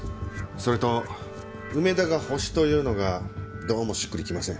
それと梅田がホシというのがどうもしっくりきません。